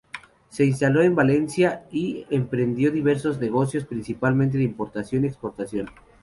Se instaló en Valencia y emprendió diversos negocios, principalmente de importación y exportación.